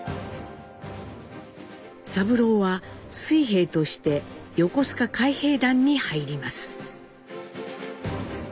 三郎は水兵として横須賀海兵団に入ります。